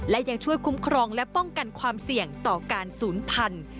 และยังช่วยคุ้มครองและป้องกันความเสี่ยงต่อการศูนย์พันธุ์